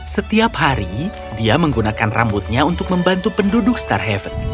setiap hari dia menggunakan rambutnya untuk membantu penduduk starhaven